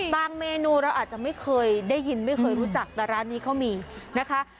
เมนูเราอาจจะไม่เคยได้ยินไม่เคยรู้จักแต่ร้านนี้เขามีนะคะ